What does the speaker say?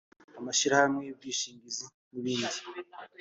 amashyirahamwe y’ubwishingizi n’ibindi